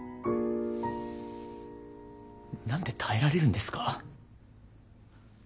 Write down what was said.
何で耐えられるんですか？